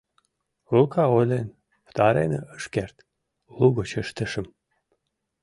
Лука ойлен пытарен ыш керт, лугыч ыштышым: